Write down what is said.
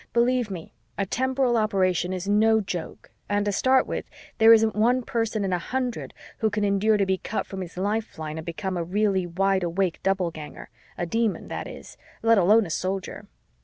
Believe me, a temporal operation is no joke, and to start with, there isn't one person in a hundred who can endure to be cut from his lifeline and become a really wide awake Doubleganger a Demon, that is let alone a Soldier.